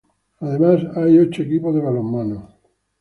Además, hay ocho equipos de balonmano.